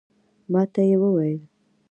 ماته یې وویل